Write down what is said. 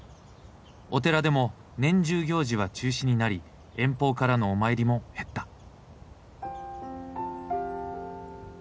お寺でも年中行事は中止になり遠方からのお参りも減った。